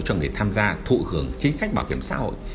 cho người tham gia thụ hưởng chính sách bảo hiểm xã hội